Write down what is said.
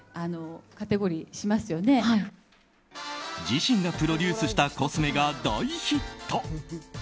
自身がプロデュースしたコスメが大ヒット。